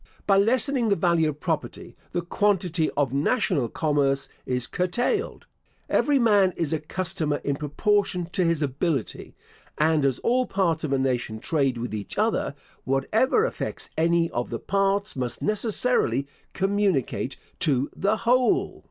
By lessening the value of property, the quantity of national commerce is curtailed. Every man is a customer in proportion to his ability; and as all parts of a nation trade with each other, whatever affects any of the parts must necessarily communicate to the whole.